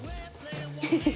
フフフ。